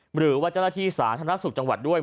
หรือว่าเจ้าอธิษฐานธนสุขจังหวัดด้วย